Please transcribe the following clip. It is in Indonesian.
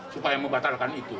supaya membatalkan itu